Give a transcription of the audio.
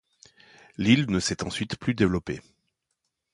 L'île ne s'est ensuite plus développée.